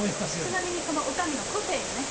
ちなみにこのおかみの個性がね。